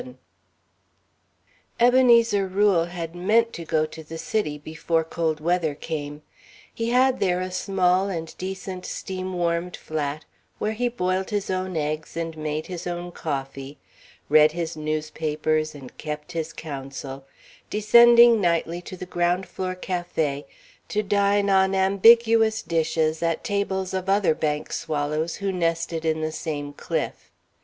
VII Ebenezer Rule had meant to go to the City before cold weather came. He had there a small and decent steam warmed flat where he boiled his own eggs and made his own coffee, read his newspapers and kept his counsel, descending nightly to the ground floor café to dine on ambiguous dishes at tables of other bank swallows who nested in the same cliff.